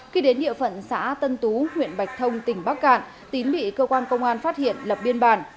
khi đến địa phận xã tân tú huyện bạch thông tỉnh bắc cạn tín bị cơ quan công an phát hiện lập biên bản